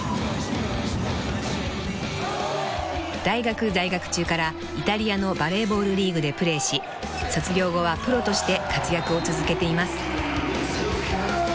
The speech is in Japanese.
［大学在学中からイタリアのバレーボールリーグでプレーし卒業後はプロとして活躍を続けています］